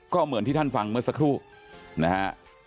ก็เหมือนที่ท่านฟังเมื่อสักครู่นะฮะ